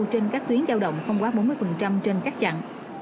trên các tuyến giao động không quá bốn mươi trên các chặng